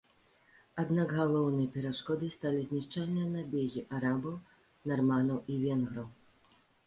Аднак галоўнай перашкодай сталі знішчальныя набегі арабаў, нарманаў і венграў.